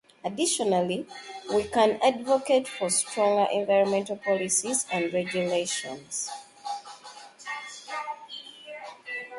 Additionally, we can advocate for stronger environmental policies and regulations.